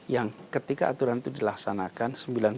yang ketika aturan itu dilaksanakan